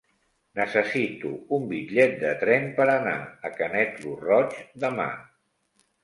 Necessito un bitllet de tren per anar a Canet lo Roig demà.